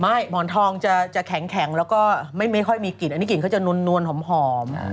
หมอนทองจะแข็งแล้วก็ไม่ค่อยมีกลิ่นอันนี้กลิ่นเขาจะนวลหอม